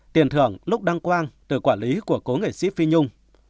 tiền thưởng lúc đăng quang từ quản lý của cố nghệ sĩ phi nhung